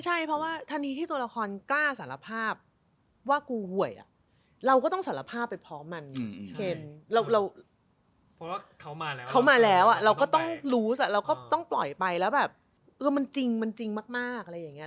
ใช่เพราะว่าทันทีที่ตัวละครกล้าสารภาพว่ากูเว่ยอะ